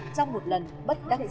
trong một lần bất đắc dĩ